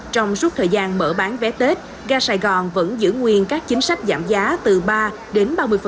trong suốt thời gian mở bán vé tết ga sài gòn vẫn giữ nguyên các chính sách giảm giá từ ba đến ba mươi